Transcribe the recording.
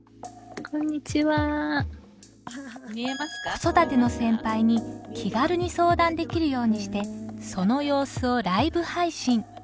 子育ての先輩に気軽に相談できるようにしてその様子をライブ配信。